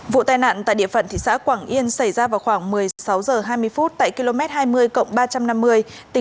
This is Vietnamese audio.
vụ tai nạn tại địa phận thị xã quảng yên xảy ra vào khoảng một mươi sáu h hai mươi tại km hai mươi ba trăm năm mươi tỉnh độ ba trăm ba mươi tám